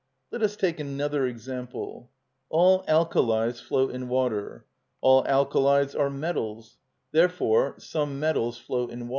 Let us take another example: All alkalis float in water; All alkalis are metals: Therefore some metals float in water.